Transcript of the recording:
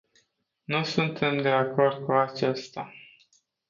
Nu suntem de acord cu aceasta.